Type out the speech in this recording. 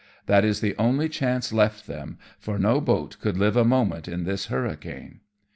That is the only chance left them, for no boat could live a moment in this hurri cane."